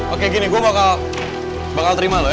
oke gini gua bakal bakal terima lo ya